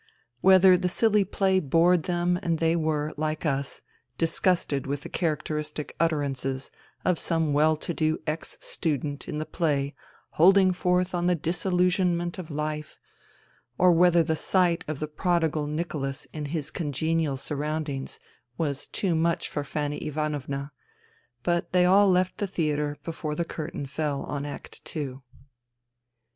Whether the silly play bored them and they were, like us, disgusted with the characteristic utterances of some well to do ex student in the play holding forth on the disillusionment of life, or whether the sight of the prodigal Nicholas in his congenial sur roundings was too much for Fanny Ivanovna ; but they all left the theatre before the curtain fell on act two.